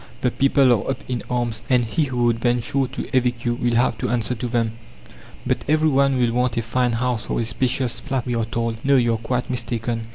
The people are up in arms, and he who would venture to evict you will have to answer to them." "But every one will want a fine house or a spacious flat!" we are told. No, you are quite mistaken.